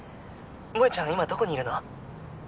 萌ちゃん今どこにいるの？